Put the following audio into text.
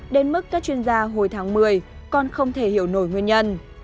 đến mức các chuyên gia hồi tháng một mươi còn không thể hiểu nổi nguyên nhân